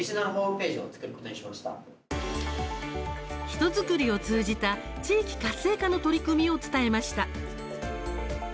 人作りを通じた地域活性化の取り組みを伝えました。